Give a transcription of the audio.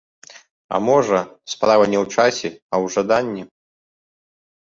А можа, справа не ў часе, а ў жаданні.